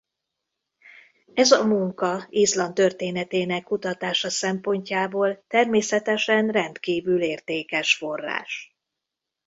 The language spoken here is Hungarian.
Ez a munka Izland történetének kutatása szempontjából természetesen rendkívül értékes forrás.